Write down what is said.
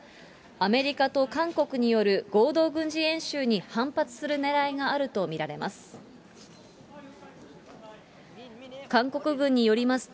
アメリカと韓国による合同軍事演習に反発するねらいがあると見られます。